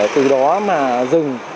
từ đó mà dừng